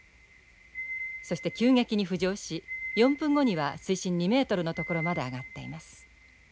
そして急激に浮上し４分後には水深２ｍの所まで上がっています。